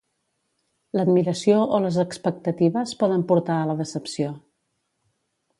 L'admiració o les expectatives poden portar a la decepció.